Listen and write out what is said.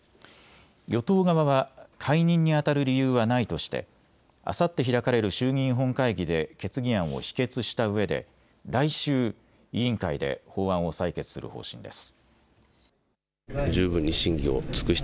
与党側は解任にあたる理由はないとしてあさって開かれる衆議院本会議で決議案を否決したうえで来週、委員会で法案を採決する方針です。